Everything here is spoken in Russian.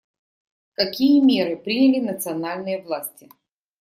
Какие меры приняли национальные власти?